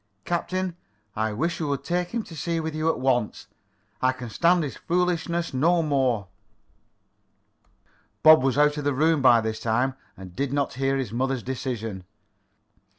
Captain, I wish you would take him to sea with you at once! I can stand his foolishness no longer!" Bob was out of the room by this time and did not hear his mother's decision.